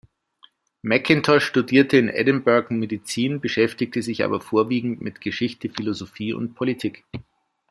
Mackintosh studierte in Edinburgh Medizin, beschäftigte sich aber vorwiegend mit Geschichte, Philosophie und Politik.